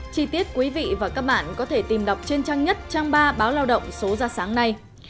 chi tiết quý vị và các bạn có thể tìm đọc trên trang nhất trang ba báo lao động số ra sáng nay